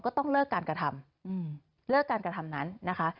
ต้องเลิกการกระทำเลิกการกระทำนั้นนะคะ